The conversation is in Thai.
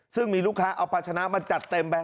ซึ่งมีลูกค้าเอาภาชนะมาจัดเต็มไป